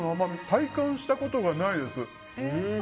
体感したことがないです。